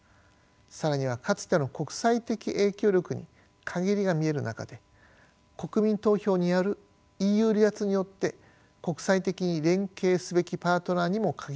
更にはかつての国際的影響力に陰りが見える中で国民投票によるＥＵ離脱によって国際的に連携すべきパートナーにも限りがあります。